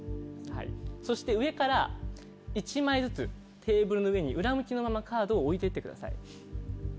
そして上から１枚ずつテーブルの上に裏向きのままカードを置いてってください。